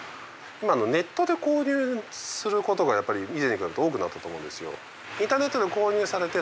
今ネットで購入する事がやっぱり以前に比べて多くなったと思うんですよ。